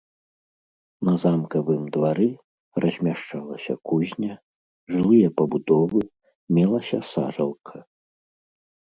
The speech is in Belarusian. На замкавым двары размяшчалася кузня, жылыя пабудовы, мелася сажалка.